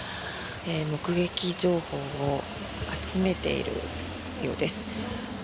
目撃情報を集めているようです。